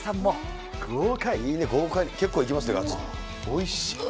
おいしい？